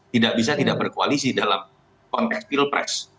tidak bisa tidak berkoalisi dalam konteks pilpres